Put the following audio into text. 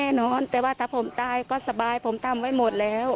แน่นอนแต่ว่าถ้าผมตายก็สบายผมทำไว้หมดแล้ว